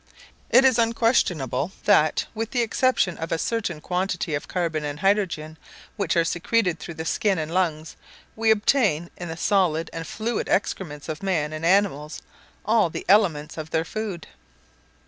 It is unquestionable, that, with the exception of a certain quantity of carbon and hydrogen, which are secreted through the skin and lungs, we obtain, in the solid and fluid excrements of man and animals, all the elements of their food.